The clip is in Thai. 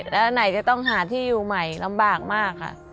แล้วไหนจะต้องหาที่อยู่ใหม่ลำบากมากค่ะ